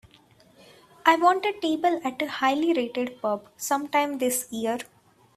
I want a table at a highly rated pub sometime this year